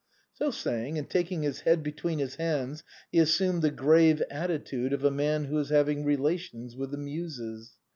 So saying, and taking his head between his hands, he assumed the grave attitude of a man who is having rela tions with the Muses.